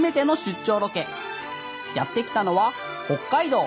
やって来たのは北海道！